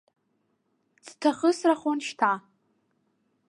Ӡҭахысрахон шьҭа.